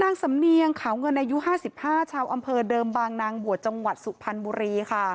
นางสำเนียงขาวเงินอายุ๕๕ชาวอำเภอเดิมบางนางบวชจังหวัดสุพรรณบุรีค่ะ